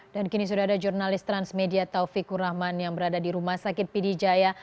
dan kini sudah ada jurnalis transmedia taufik kurrahman yang berada di rumah sakit pd jaya